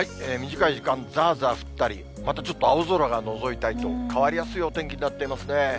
短い時間ざーざー降ったり、またちょっと青空がのぞいたりと、変わりやすいお天気となっていますね。